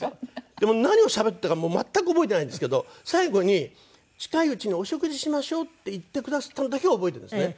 もう何をしゃべったか全く覚えてないんですけど最後に「近いうちにお食事しましょう」って言ってくだすったのだけは覚えてるんですね。